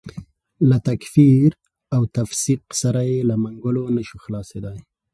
له تکفیر او تفسیق سره یې له منګولو نه شو خلاصېدای.